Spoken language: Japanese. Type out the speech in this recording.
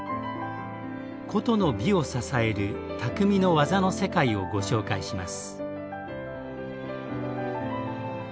古都の美を支える「匠の技の世界」をご紹介します。